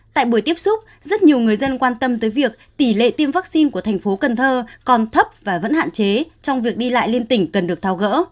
tại buổi tiếp xúc rất nhiều người dân quan tâm tới việc tỷ lệ tiêm vaccine của thành phố cần thơ còn thấp và vẫn hạn chế trong việc đi lại liên tỉnh cần được tháo gỡ